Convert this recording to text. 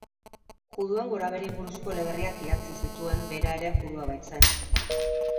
Juduen gorabeherei buruzko eleberriak idatzi zituen, bera ere judua baitzen.